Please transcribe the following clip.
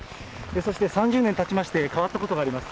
そして３０年たちまして、変わったことがあります。